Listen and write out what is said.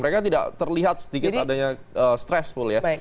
mereka tidak terlihat sedikit adanya stressful ya